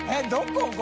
どこ？